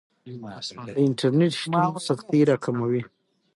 د انټرنیټ شتون سختۍ راکموي.